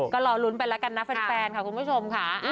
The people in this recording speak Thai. ก็รอลุ้นไปแล้วกันนะแฟนค่ะคุณผู้ชมค่ะ